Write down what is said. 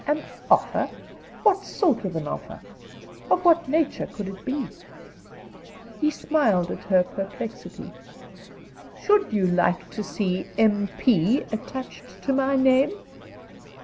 An offer? What sort of an offer? Of what nature could it be? He smiled at her perplexity. "Should you like to see M. P. attached to my name?